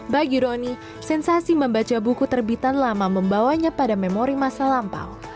bagi roni sensasi membaca buku terbitan lama membawanya pada memori masa lampau